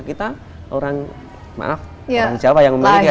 kita orang maaf orang jawa yang memiliki